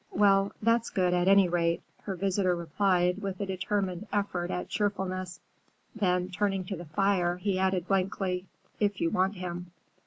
"Well, that's good, at any rate," her visitor replied with a determined effort at cheerfulness. Then, turning to the fire, he added blankly, "If you want him."